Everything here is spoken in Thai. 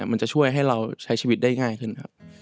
มันจะช่วยให้เราใช้ชีวิตได้ง่ายขึ้นครับ